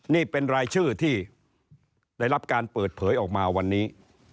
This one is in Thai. นี่เป็นรายชื่อที่ได้รับการเปิดเผยออกมาวันนี้